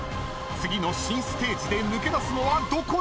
［次の新ステージで抜け出すのはどこなのか⁉］